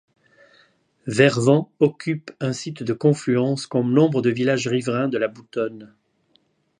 Vervant occupe un site de confluence comme nombre de villages riverains de la Boutonne.